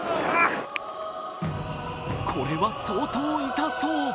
これは相当痛そう。